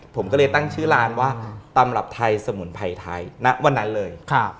ผมก็เลยตั้งชื่อร้านว่าตำรับไทยสมุนไพรไทยณวันนั้นเลย